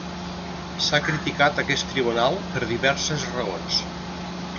S'ha criticat aquest tribunal per diverses raons.